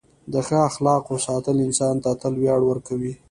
د ښه اخلاقو ساتل انسان ته تل ویاړ ورکوي.